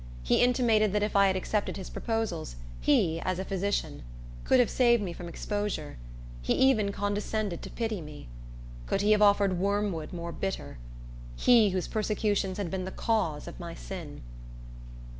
He intimated that if I had accepted his proposals, he, as a physician, could have saved me from exposure. He even condescended to pity me. Could he have offered wormwood more bitter? He, whose persecutions had been the cause of my sin!